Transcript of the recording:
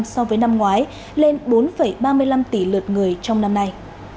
so với năm ngoái lên bốn ba mươi năm tỷ lượt người trong năm nay